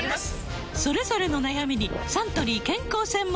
それぞれの悩みにサントリー健康専門茶